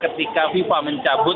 ketika fifa mencabut